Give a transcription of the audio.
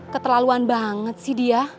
keterlaluan banget sih dia